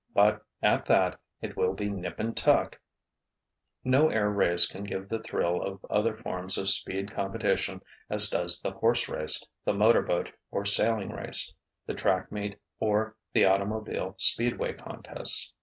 But, at that, it will be 'nip and tuck'!" No air race can give the thrill of other forms of speed competition as does the horse race, the motor boat or sailing race, the track meet or the automobile speedway contests.